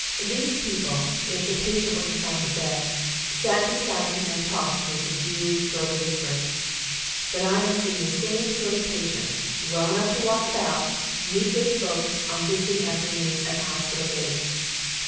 These people, if the patient were confined to bed, sat beside him and talked in a subdued, throaty whisper. But I have seen the same sort of patient, well enough to walk about, meet his folks on visiting afternoons at the hospital gate.